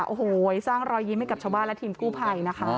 โอ้โหสร้างรอยยิ้มให้กับชาวบ้านและทีมกู้ภัยนะคะ